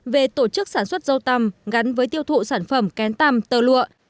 về tổ chức sản xuất dâu tằm gắn với tiêu thụ sản phẩm kén tầm tơ lụa